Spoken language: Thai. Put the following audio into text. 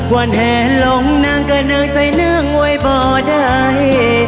วันแห่หลงนางก็นางใจนั่งไว้บ่ได้